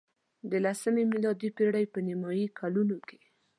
د لسمې میلادي پېړۍ په نیمايي کلونو کې.